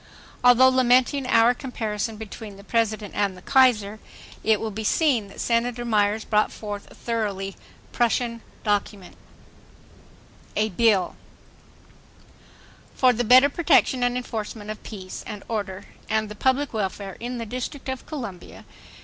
Although lamenting our comparison between the President and the Kaiser, it will be seen that Senator Myers brought forth a thoroughly Prussian document: A BILL For the better protection and enforcement of peace and order and the public welfare in the District of Columbia.